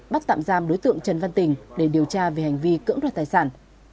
bắt tạm giam đối tượng trần văn tình để điều tra về hành vi cưỡng đoạt tài sản